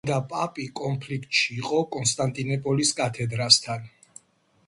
წმინდა პაპი კონფლიქტში იყო კონსტანტინოპოლის კათედრასთან.